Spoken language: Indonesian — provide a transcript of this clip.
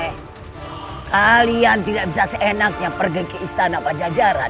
eh kalian tidak bisa seenaknya pergi ke istana pak jajaran